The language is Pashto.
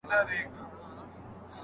پرون مي دومره درته وژړله .